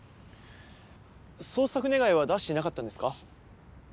捜索願は出していなかったんですか？